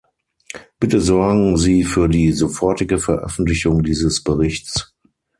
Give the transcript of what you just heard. Bitte sorgen Sie für die sofortige Veröffentlichung dieses Berichts.